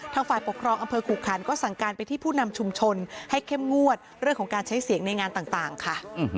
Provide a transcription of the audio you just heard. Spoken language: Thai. ฝ่ายปกครองอำเภอขู่ขันก็สั่งการไปที่ผู้นำชุมชนให้เข้มงวดเรื่องของการใช้เสียงในงานต่างค่ะ